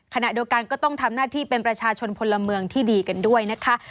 ขณะเดียวกันก็ต้องทำหน้าที่เป็นประชาชนพลเมืองที่ดีกันด้วยนะคะ